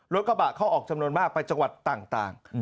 รถกระบะเข้าออกจำนวนมากไปจังหวัดต่าง